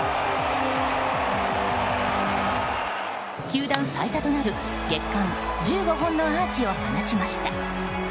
球団最多となる月間１５本のアーチを放ちました。